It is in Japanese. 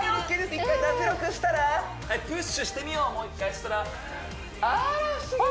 １回脱力したらはいプッシュしてみようもう一回そうしたらあら不思議！